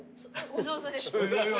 お上手です。